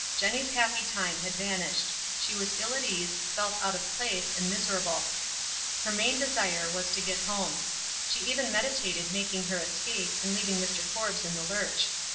Jenny's happy time had vanished ; she was ill at ease, felt out of place, and miser able. Her main desire was to get home. She even meditated making her escape, and leaving Mr. Forbes in the lurch.